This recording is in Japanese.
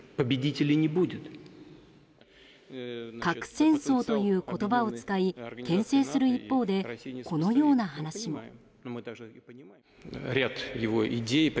核戦争という言葉を使い牽制する一方でこのような話も。